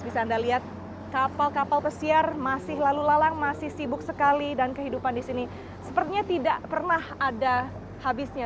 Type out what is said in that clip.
bisa anda lihat kapal kapal pesiar masih lalu lalang masih sibuk sekali dan kehidupan di sini sepertinya tidak pernah ada habisnya